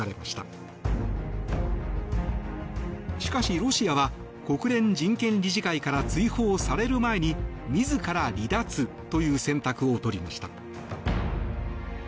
しかし、ロシアは国連人権理事会から追放される前に自ら離脱という選択を取りました。